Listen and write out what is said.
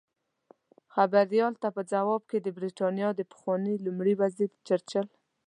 خبریال ته په ځواب کې د بریتانیا د پخواني لومړي وزیر چرچل